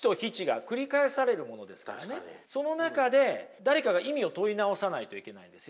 その中で誰かが意味を問い直さないといけないんですよね。